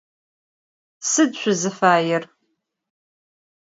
Sıd şsuzıfaêr?